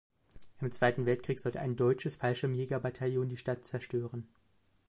Im Zweiten Weltkrieg sollte ein deutsches Fallschirmjägerbataillon die Stadt zerstören.